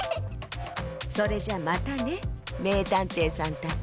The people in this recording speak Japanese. それじゃまたねめいたんていさんたち。